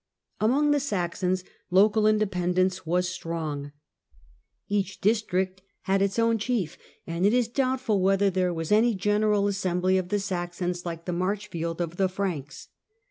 Among the Saxons local independence was strong. Each district had its own chief, and it is doubtful whether there was any general assembly of the Saxons like the " Marchfield " of the Franks.